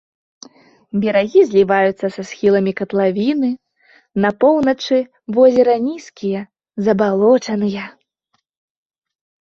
Берагі зліваюцца са схіламі катлавіны, на поўначы возера нізкія, забалочаныя.